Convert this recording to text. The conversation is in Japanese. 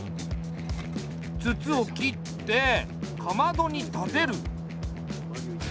筒を切ってかまどに立てる。